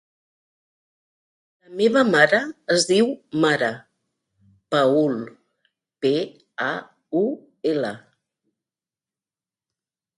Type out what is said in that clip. La meva mare es diu Mara Paul: pe, a, u, ela.